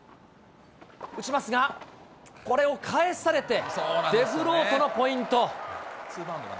打ちますが、これを返されて、デフロートのポイント。